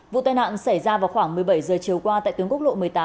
vụ tai nạn xảy ra vào khoảng một mươi bảy giờ chiều qua tại tuyến quốc lộ một mươi tám